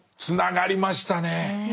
つながりましたね！ねぇ。